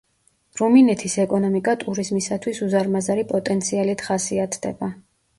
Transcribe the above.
რუმინეთის ეკონომიკა ტურიზმისათვის უზარმაზარი პოტენციალით ხასიათდება.